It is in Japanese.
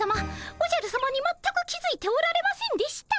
おじゃるさまに全く気付いておられませんでした。